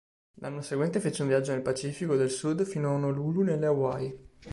L'anno seguente fece un viaggio nel Pacifico del Sud fino a Honolulu nelle Hawaii.